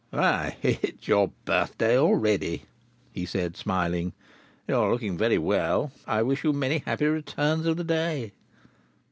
"Why it's your birthday already," he said, smiling. "You are looking very well. I wish you many happy returns of the day."